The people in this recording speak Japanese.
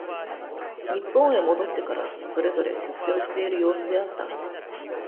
日本へ戻ってから、それぞれ、出世をしている様子であった。